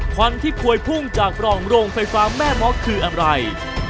ควันที่พวยพุ่งจากปล่องโรงไฟฟ้าแม่ม้อคืออะไร